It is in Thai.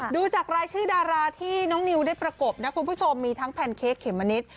ดูจากรายชื่อดาราที่น้องนิวได้ประกบนะคุณผู้ชมมีทั้งแพนเค้กเขมมะนิด